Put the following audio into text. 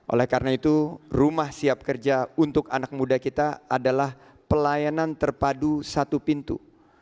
oleh karena itu rumah siap kerja untuk anak muda kita adalah pelayanan terpadu satu pintu